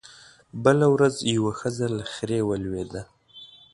بله ورځ يوه ښځه له خرې ولوېده